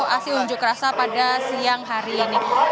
untuk aksi undang undang yang sudah dilakukan pada siang hari ini